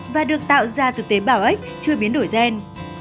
và được tạo ra từ tế bào ếch chưa biến đổi xen